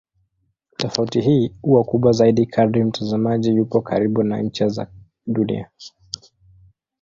Tofauti hii huwa kubwa zaidi kadri mtazamaji yupo karibu na ncha za Dunia.